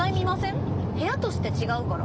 部屋として違うから。